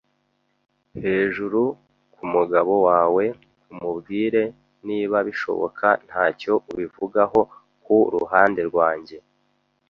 hejuru kumugabo wawe umubwire, niba bishoboka, ntacyo ubivugaho. Ku ruhande rwanjye,